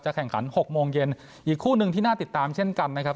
แข่งขันหกโมงเย็นอีกคู่หนึ่งที่น่าติดตามเช่นกันนะครับ